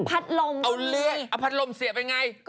พัดลมต้องมีเอาเลื่อยเอาพัดลมเสียบยังไง